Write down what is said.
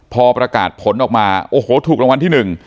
พอประกาศผลออกมาโอ้โหถูกรางวัลที่หนึ่ง